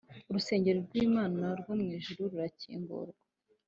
Urusengero rw’Imana rwo mu ijuru rurakingurwa,